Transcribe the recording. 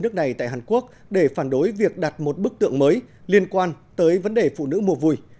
nước này tại hàn quốc để phản đối việc đặt một bức tượng mới liên quan tới vấn đề phụ nữ mua vui